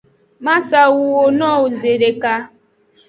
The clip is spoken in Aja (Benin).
Ma sa wuwo no wo zedeka.